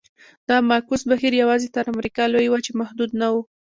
دا معکوس بهیر یوازې تر امریکا لویې وچې محدود نه و.